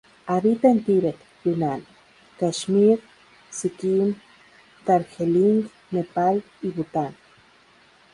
Habita en Tibet, Yunnan, Kashmir, Sikkim, Darjeeling, Nepal y Bután.